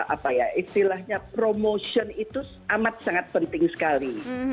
apa ya istilahnya promotion itu amat sangat penting sekali